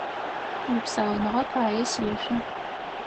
Уипсауныгъэ пае сешъо!